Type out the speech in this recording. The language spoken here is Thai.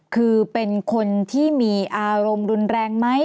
คือเป็นคนที่มีอารมณ์รุนแรงไหม